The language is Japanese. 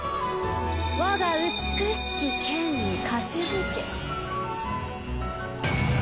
我が美しき剣にかしずけ。